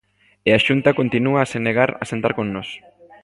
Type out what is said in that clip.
E a Xunta continúa a se negar a sentar con nós.